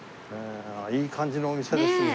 いい感じのお店ですね。